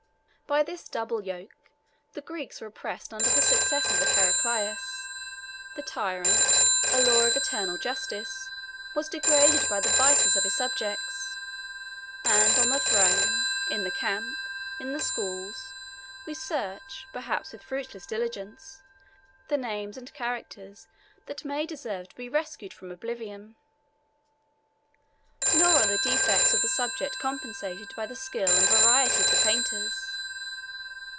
By this double yoke, the Greeks were oppressed under the successors of Heraclius; the tyrant, a law of eternal justice, was degraded by the vices of his subjects; and on the throne, in the camp, in the schools, we search, perhaps with fruitless diligence, the names and characters that may deserve to be rescued from oblivion. Nor are the defects of the subject compensated by the skill and variety of the painters.